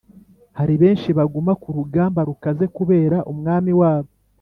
hari benshi baguma ku rugamba rukaze kubera umwami wabo